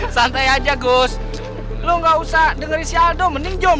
santai aja gus lu nggak usah dengeri saldo mending jom